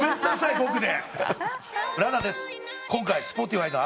僕で。